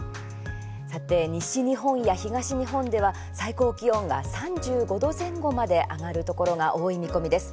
西日本や東日本では最高気温が３５度前後まで上がるところが多い見込みです。